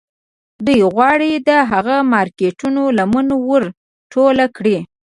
دوی غواړي د هغو مارکیټونو لمن ور ټوله کړي